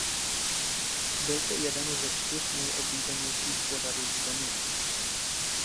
Byl to jeden ze čtyř nejoblíbenějších pořadů v zemi.